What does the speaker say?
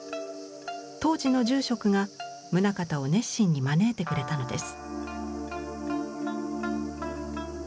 当時の住職が棟方を熱心に招いてくれたのです。